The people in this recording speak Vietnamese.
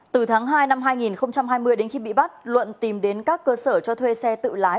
từ tháng hai năm hai nghìn hai mươi đến khi bị bắt luận tìm đến các cơ sở cho thuê xe tự lái